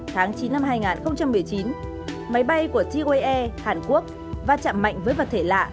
tháng chín năm hai nghìn một mươi chín máy bay của jeue hàn quốc va chạm mạnh với vật thể lạ